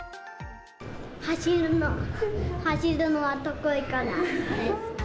走るのが、走るのは得意かな。